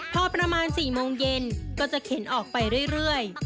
พอประมาณสี่โมงเย็นก็จะเข็นออกไปเรื่อยเรื่อย